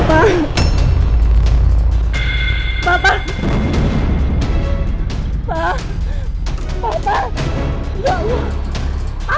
pak aku nggak tenang melihat kamu kayak gini pak